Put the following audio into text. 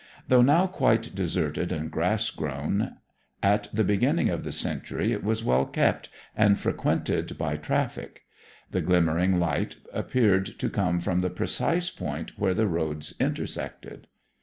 Though now quite deserted and grass grown, at the beginning of the century it was well kept and frequented by traffic. The glimmering light appeared to come from the precise point where the roads intersected.